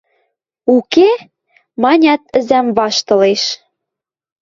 – Уке? – манят, ӹзӓм ваштылеш.